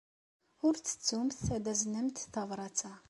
Ur ttettumt ad taznemt tabṛat-a.